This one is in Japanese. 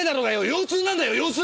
腰痛なんだよ腰痛！